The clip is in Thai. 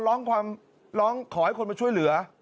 ร้องความร้องขอให้คนมาช่วยเหลือ